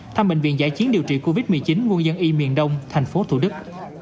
thăm bệnh viện giải chiến điều trị covid một mươi chín quân dân y miền đông thành phố thủ đức